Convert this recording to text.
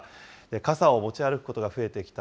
傘を持ち歩くことが増えてきた